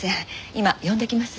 今呼んできます。